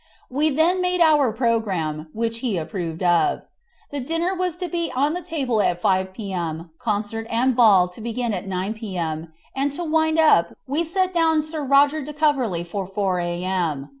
We then made out our programme, which he approved of. The dinner was to be on the table at 5 p.m., concert and ball to begin at 9 p.m., and to wind up we set down Sir Roger de Coverley for 4 a.m.